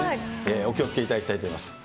お気をつけいただきたいと思います。